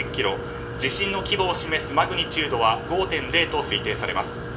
地震の規模を示すマグニチュードは５．０と推定されます。